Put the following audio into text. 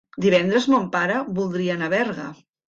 Divendres mon pare voldria anar a Berga.